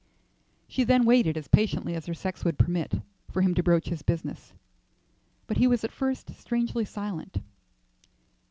She then waited as patiently as her sex would permit, for him to broach his business, but he was at first strangely silent.